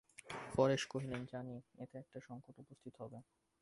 পরেশ কহিলেন, জানি এতে একটা সংকট উপস্থিত হবে।